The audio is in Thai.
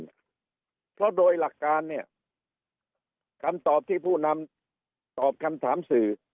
เพราะโดยหลักการเนี่ยคำตอบที่ผู้นำตอบคำถามสื่อ